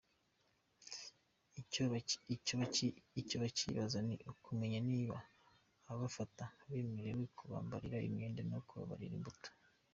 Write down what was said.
Icyo bacyibaza ni ukumenya niba ababafata bemerewe kubambarira imyenda no kubarira imbuto.